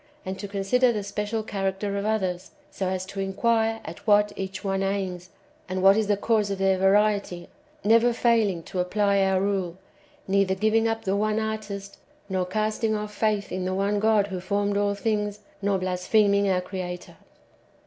and to consider the special character of others, so as to inquire at what each one aims, and what is the cause of their variety, never faihng to apply our rule, neither giving up the [one^] artist, nor castino; off faith in the one God who formed all things, nor blaspheming our Creator.